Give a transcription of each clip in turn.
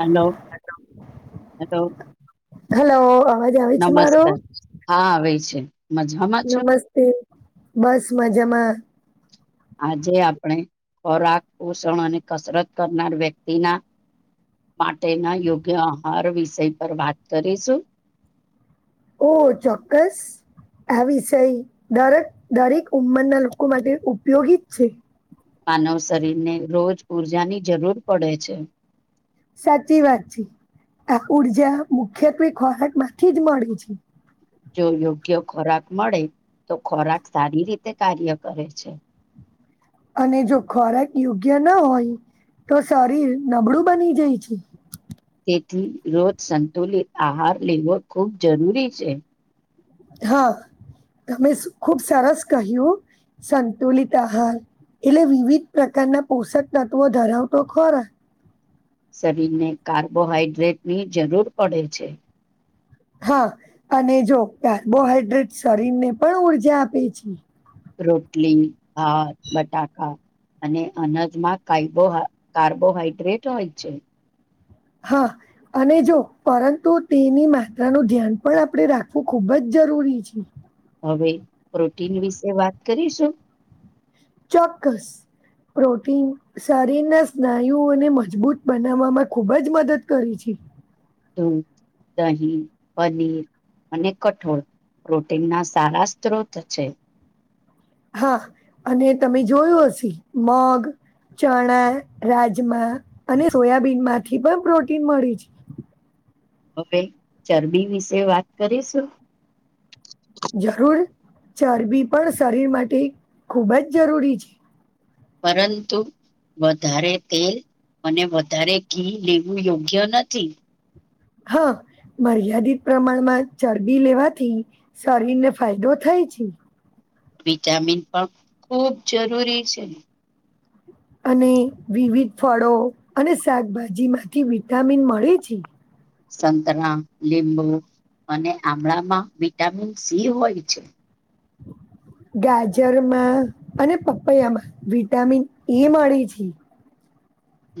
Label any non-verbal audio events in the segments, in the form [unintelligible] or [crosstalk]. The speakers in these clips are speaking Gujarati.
હલો હલો હલો અવાજ આવે છે મારો નમસ્કાર હા આવે છે કેમ મજામાં છો નમસ્તે બસ મજા માં આજે આપણે ખોરાક પોષણ અને કસરત કરનાર વ્યક્તિના માટેના યોગ્ય આહાર વિષય પર વાત કરીશું ઓ ચોક્કસ આ વિષય દરેક દરેક ઉંમરના લોકો માટે ઉપયોગી જ છે માનવ શરીરને રોજ ઊર્જાની જરૂર પડે છે સાચી વાત જી આ ઉર્જા મુખ્યત્વે ખોરાક માંથી જ મળે છે જો યોગ્ય ખોરાક મળે તો ખોરાક સારી રીતે કાર્ય કરે છે અને જો ખોરાક યોગ્ય ના હોય તો શરીર નબળું બની જાય છે તેથી રોજ સંતુલિત આહાર લેવો ખૂબ જરૂરી છે હા તમે ખુબ સરસ કહ્યું સંતુલિત આહાર એટલે વિવિધ પ્રકારના પોષક તત્વો ધરાવતો ખોરા શરીરને કાર્બોહાઈડ્રેટની જરૂર પડે છે હા અને જો કાર્બોહાઈડ્રેટ શરીરને પણ ઉર્જા આપે છે રોટલી ભાત બટાકા અને અનાજમાં કાર્બોહાઈડ્રેટ હોય છે હા અને જો પરંતુ તેની માત્રાનું ધ્યાન પણ આપણે રાખવું ખુબ જ જરૂરી જરૂરી છે હવે પ્રોટીન વિશે વાત કરીશું ચોક્કસ પ્રોટીન શરીરના સ્નાયુઓને મજબૂત બનાવવામાં ખુબ જ મદદ કરી છે દૂધ દહીં પનીર અને કઠોળ પ્રોટીનના સારા સ્ત્રોત છે હા અને તમે જોયું હશે મગ ચણા રાજમા અને સોયાબીન માંથી પણ પ્રોટીન મળી હવે ચરબી વિશે વાત કરીશું જરૂર ચરબી પણ શરીર માટે ખૂબ જ જરૂરી છે પરંતું વધારે તેલ અને વધારે ઘી લેવું યોગ્ય નથી હા મર્યાદિત પ્રમાણમાં ચરબી લેવાથી શરીરને ફાયદો થાય છે વિટામિન પણ ખૂબ જરૂરી છે અને વિવિધ ફળો અને શાકભાજી માંથી વિટામિન મળે છે સંતરા લીંબુ અને આમળામાં વિટામિન સી હોય છે ગાજરમાં અને પપૈયામાં વિટામિન એ મળે છે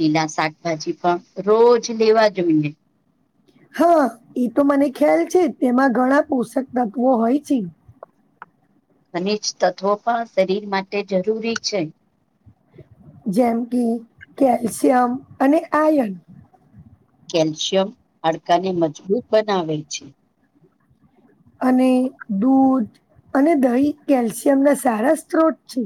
લીલા શાકભાજી પણ રોજ લેવા જોઈએ હા એ તો મને ખ્યાલ છે તેમાં ઘણા પોષક તત્વો હોય છે ઘનિજ તત્વો પણ શરીર માટે જરૂરી છે જેમ કે કેલ્શિયમ અને આયન કેલ્શિયમ હાડકાને મજબૂત બનાવે છે અને દૂધ અને દહી કેલ્શિયમ ના સારા સ્ત્રોત છે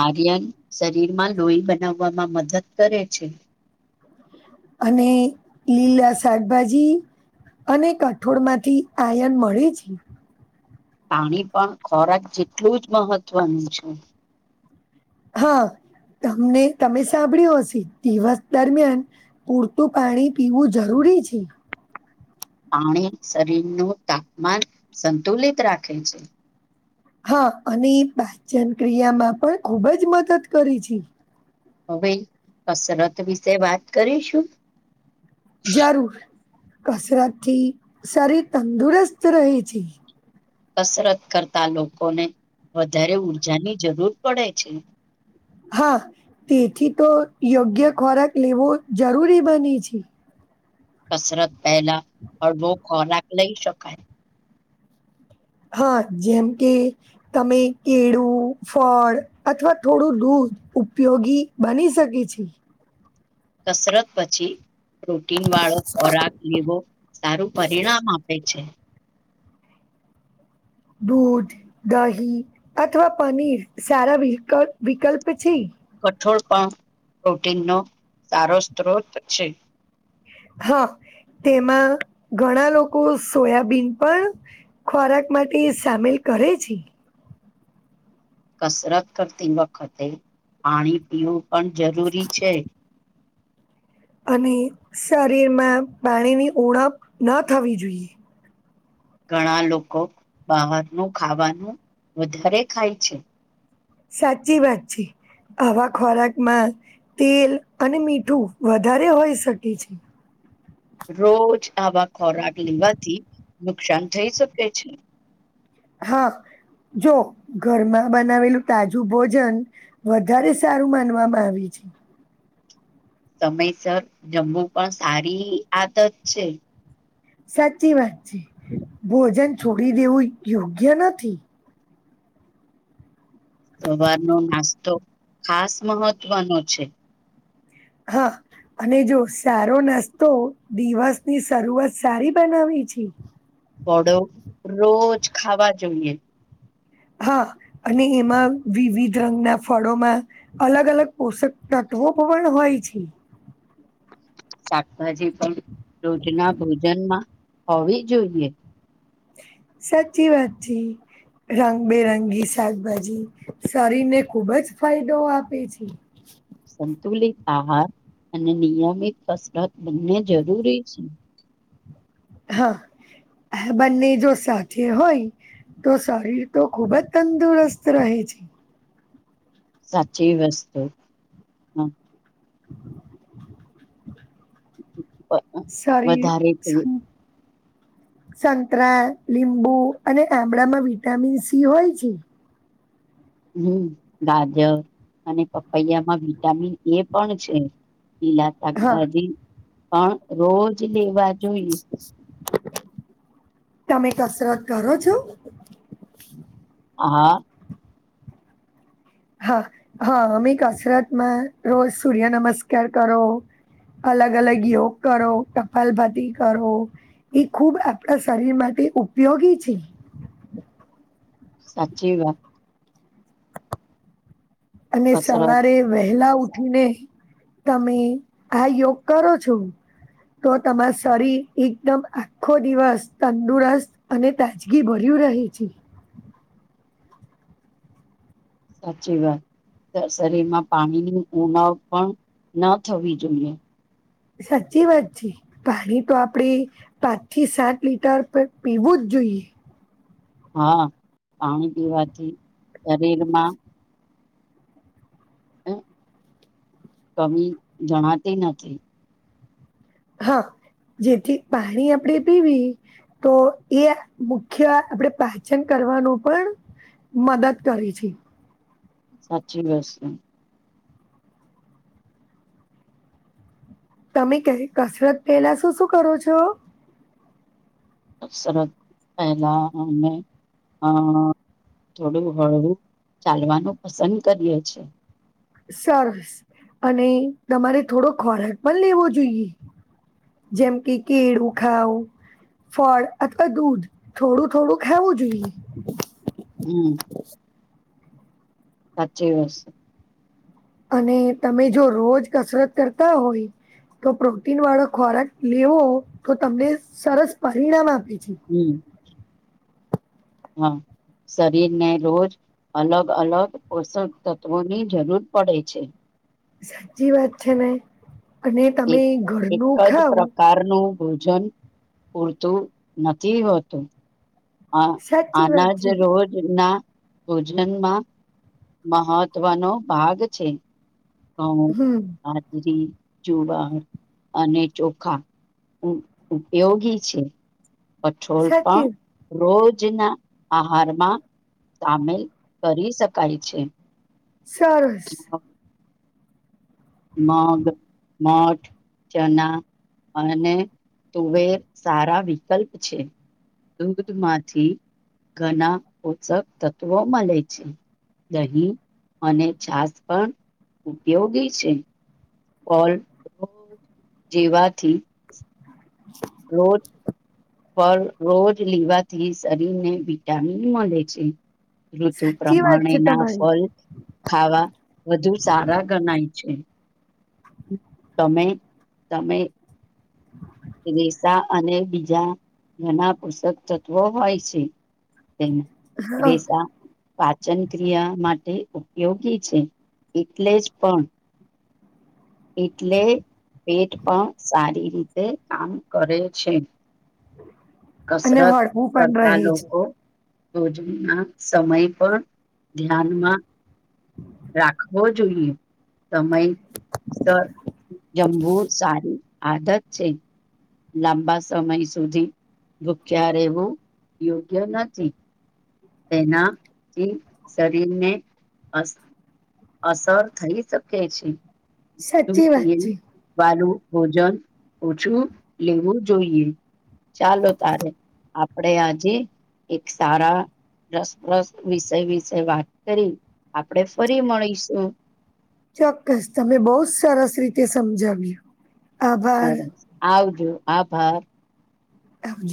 આર્યન શરીરમાં લોહી બનાવવામાં મદદ કરે છે અને લીલા શાકભાજી અને કઠોળમાંથી આયન મળે છે પાણી પણ ખોરાક જેટલું જ મહત્ત્વનું છે હા તમને તમે સાંભળ્યું હશે દિવસ દરમિયાન પૂરતું પાણી પીવું જરૂર પીજીી પાણી શરીરનું તાપમાન સંતુલિત રાખે છે હા અને પાચન ક્રિયામાં પણ ખૂબ જ મદદ કરી છે હવે કસરત વિશે વાત કરીશું જરૂર કસરતથી શરીર તંદુરસ્ત રહે છે કસરત કરતા લોકોને વધારે ઉર્જાની જરૂર પડે છે હા તેથી તો યોગ્ય ખોરાક લેવો જરૂરી બને છે કસરત પહેલા હળવો ખોરાક લઈ શકાય હા જેમ કે તમે કેળું ફળ અથવા થોડું દૂધ ઉપયોગી બની શકે છે. કસરત પછી પ્રોટીન વાળો ખોરાક લેવો સારું પરિણામ આપે છે. દૂધ દહી અથવા પનીર સારા વ વિકલ્પ છે. કઠોળ પણ પ્રોટીનનો સારો સ્ત્રોત છે હા તેમાં ઘણા લોકો સોયાબીન પણ ખોરાક માટે સામેલ કરે છે કસરત કરતી વખતે પાણી પીવું પણ જરૂરી છે અને શરીરમાં પાણીની ઓણપ ન થવી જોઈએ ઘણા લોકો બહારનું ખાવાનું વધારે ખાય છે સાચી વાતચી આવા ખોરાકમાં તેલ અને મીઠું વધારે હોઈ શકે છે રોજ આવા ખોરાક લેવાથી નુકસાન થઈ શકે છે હા જો ઘરમાં બનાવેલું તાજું ભોજન વધારે સારું માનવામાં આવી છે જી સમયસર જમવુ પણ સારી આદત છે સાચી વાત છે ભોજન છોડી દેવું યોગ્ય નથી સવારનોો નાસ્તો ખાસ મહત્વનો છે હા. અને જો સારો નાસ્તો દિવસની શરૂઆત સારી બનાવી છે. વળો રોજ ખાવા જોઈએ. હા અને એમાં વિવિધ રંગના ફળોમાં અલગ અલગ પોષક ના ટોપ પણ હોય છે. શાકભાજી પણ રોજના ભોજનમાં હોવી જોઈએ સાચી વાત જી. રંગબેરંગી શાકભાજી શરીરને ખુબ જ ફાયદો આપે છે. સંતુલિત આહાર અને નિયમિત કસરત બંને જરૂરી છે. હા હ બંને જો સાથે હોય તો શરીર તો ખૂબ જ તંદુરસ્ત રહે છે. સાચી વસ્તુ હમ. હ. હ સારી સ સંતરા લીંબુ અને આબળામાં વિટામિન સી હોય છે. હમ ગાજર અને પપૈયામાં વિટામિન એ પણ છે. લીલા હા શાકભાજી પણ રોજ લેવા જોઈએ તમે કસરત કરો છો. હા. હા હા અમી કસરતમાં રોજ સૂર્ય નમસ્કાર કરો અલગ અલગ યોગ કરો કપાલભાતી કરો એ ખુબ આપણા શરીરમાં. તે ઉપયોગી છે. [unintelligible] સાચી વાત. અને કસરત સવારે વહેલા ઉ ઉઠીને તમે આ યોગ કરો છો? તો તમાર શરીર એકદમ આખો દિવસ તંદુરસ્ત અને તાજગી ભર્યું. રહેહી છે સાચી વાત શરીરમાં પાણીની ઉનાવ પણ ન થવી જોઈએ સાચી વાત છે પાણી તો આપડે પાંચ થી સાત લીટર પીવું જ જોઈએ હા પાણી પીવાથી શરીરમાં હ કમી જણાતી નથી. હા જેથી પાણી આપડે પીવી તો એ મુખ્ય આપડે પાચન કર કરવા પણ મદદ કરે છે. સાચી બસ. તમે ક કસરત પેલા શું શું કરો છો. અફસરત પહેલાને હ. થોડું હળવું ચાલવાનું પસંદ કરીએ છીએ. સરસ અને તમારે થોડો ખોરાક પણ લેવો જોઈએ જેમ કે કીડ ઉખાવ ફળ અથવા દૂધ થોડું થોડું ખવું જોઈએ. હમ. સાચીવશે અને તમે જો રોજ કસરત કરતા હોય. તો પ્રોટીન વાળો ખોરાક લેવો તો તમને સરસ પરિણામ આપ પછ હમ હા શરીરને રોજ અલગ અલગ પોષક તત્ત્વોની જરૂર પડે છે સાચી વાત છે ને અને તમે એક એક ઘરનું જ ખાવ પ્રકારનું ભોજન પૂરતું નથી હોતું હા સાચી વાત આનાજ છે. રોજ ના ભોજનમાં મહત્ત્વનો ભાગ છે તો હમ આજરી જુવાર અને ચોખા ઉપયોગી છે પછોલ પણ સાચી રોજ જના આહારમાં સામેલ કરી શકાય છે સરસ મગ મઠ ચના અને તુવેર સારા વિકલ્પ છે દુગધમાંથી ઘણા પોષક તત્વો મળે છે દહીં અને છાસ પણ ઉપયોગી છે ઓલ જેવાથી રોજ ફ રોજ લેવાથી શરીરને વિટામિન મળે છે ઋતુ સાચી વાત પ્રમાણે છે ના તમારી ફલ ખાવા વધુ સારા ગણાય છે તમે તમે રસા અને બીજા ઘના પુસ્તક તત્વો હોય છે તે હા રસા પાચન ક્રિયા માટે ઉપયોગી છે એટલે જ પણ એટલે પેટ પણ સારી રીતે કામ કરે છે અને કસરત હળવું પણ કરતા રહે છે. લોકો ભોજનના સમય પણ ધ્યાનમાં. રાખવો જોઈએ સમય. જંબુર સારી આદત છે. લાંબા સમય સુધી ભૂખ્યા રહેવું યોગ્ય નથી. તેનાથી શરીરને અ. અસર થઈ શકે છે સાચી વાત તેલ છે વાલું. ભોજન ઓછું લેવું જોઈએ ચાલો તારે આપડે આજે એક સારા રસપ્રસ વિષય વિષય વાત કરી આપણેે ફરી મળીશું ચોક્કસ તમે બહુ જ સરસ રીતે સમજાવ્યું આભાર સરસ આવજો આભાર એજ